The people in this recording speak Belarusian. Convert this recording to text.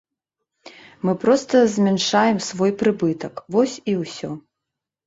Мы проста змяншаем свой прыбытак, вось і ўсё.